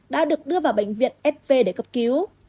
đã được đưa vào bệnh viện fv để cấp cứu